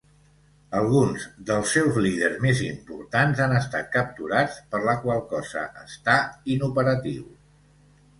Alguns dels seus líders més importants han estat capturats per la qual cosa està inoperatiu.